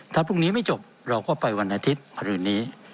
ถ้าพรุ่งนี้ไม่จบเราก็ไปวันอาทิตย์คืนนี้